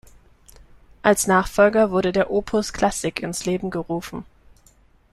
Als Nachfolger wurde der Opus Klassik ins Leben gerufen.